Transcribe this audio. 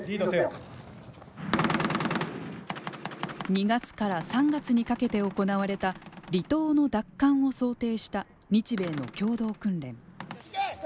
２月から３月にかけて行われた離島の奪還を想定した日米の共同訓練。